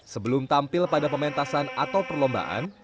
sebelum tampil pada pementasan atau perlombaan